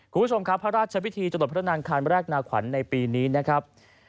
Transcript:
คุณผู้ชมครับพระราชพิธีจรดพระนางคันแรกนาขวัญในปีนี้นะครับ